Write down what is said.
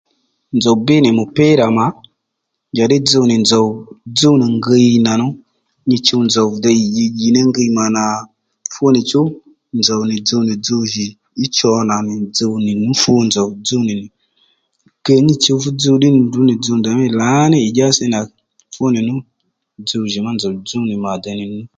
Nzòw bbí nì mupira mà njàddí dzuw nì nzòw dzúw nì ngiy nà nú nyi chuw nzòw dey ì dyi dyì ní ngiy mà nà fú nì chú nzòw nì dzuw nì dzuw djì í cho nǎ nì dzuw nì nú fú nzòw dzúw nì ke nyi chǔw fú dzuw ddí nì ndrǔ nì dzúw ndèymí lǎní ì dyá si nà fú nì nú dzuw jì ma nzòw dzuw nì mà dè nì nu